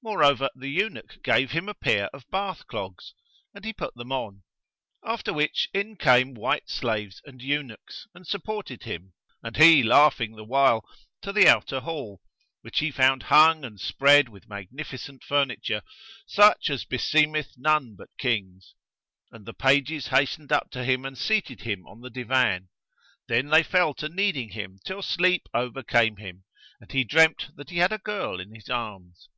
Moreover, the eunuch gave him a pair of bath clogs,[FN#110] and he put them on; after which in came white slaves and eunuchs and sup ported him (and he laughing the while) to the outer hall, which he found hung and spread with magnificent furniture, such as be seemeth none but kings; and the pages hastened up to him and seated him on the divan. Then they fell to kneading him till sleep overcame him; and he dreamt that he had a girl in his arms.